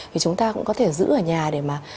thì chúng ta cũng có thể giữ ở nhà để mà